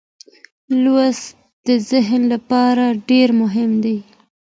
لوستل د ذهن لپاره ډېر مهم دي.